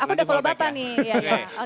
aku udah follow bapak nih ya